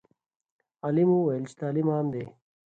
عالم وویل چې تعلیم عام دی.